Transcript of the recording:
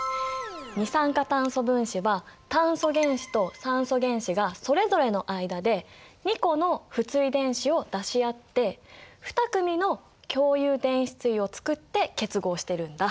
二酸化炭素分子は炭素原子と酸素原子がそれぞれの間で２個の不対電子を出し合って２組の共有電子対をつくって結合してるんだ。